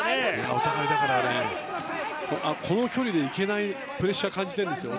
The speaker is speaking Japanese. お互い、この距離で行けないプレッシャーを感じているんですよね。